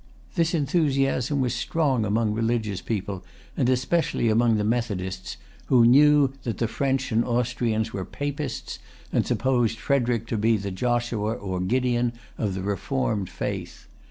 This enthusiasm was strong among religious people, and especially among the Methodists, who knew that the French and Austrians were Papists, and supposed Frederic to be the Joshua or Gideon of the Reformed Faith.